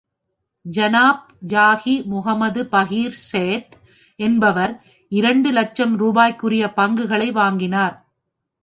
ஜனாப் ஹாஜி முகமது பக்கீர் சேட் என்பவர் இரண்டு லட்சம் ரூபாய்க்குரிய பங்குகளை வாங்கினார்.